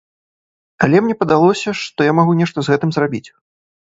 Але мне падалося, што я магу нешта з гэтым зрабіць.